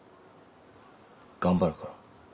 頑張るから。